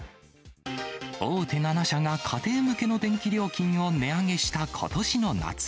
大手７社が家庭向けの電気料金を値上げしたことしの夏。